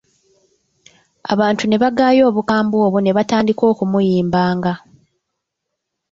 Abantu ne bagaya obukambwe obwo ne batandika okumuyimbanga.